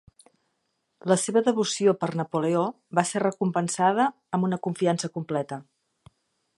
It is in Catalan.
La seva devoció per Napoleó va ser recompensada amb una confiança completa.